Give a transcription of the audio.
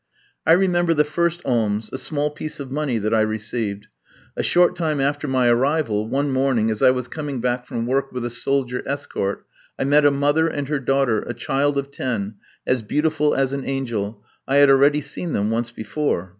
I remember the first alms, a small piece of money, that I received. A short time after my arrival, one morning, as I was coming back from work with a soldier escort, I met a mother and her daughter, a child of ten, as beautiful as an angel. I had already seen them once before.